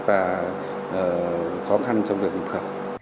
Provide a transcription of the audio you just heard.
và khó khăn trong việc xuất khẩu